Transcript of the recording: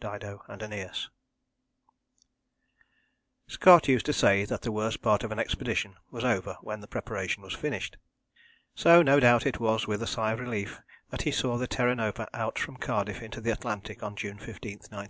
Dido and Aeneas. Scott used to say that the worst part of an expedition was over when the preparation was finished. So no doubt it was with a sigh of relief that he saw the Terra Nova out from Cardiff into the Atlantic on June 15, 1910.